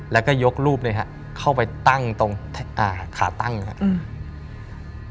แล้วก็ยกรูปเลยครับเข้าไปตั้งตรงขาตั้งครับ